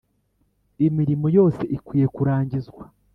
Imirimo yose ikwiye kurangizwa.